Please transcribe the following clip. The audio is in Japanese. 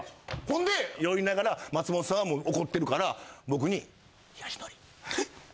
ほんで酔いながら松本さんはもう怒ってるから僕に。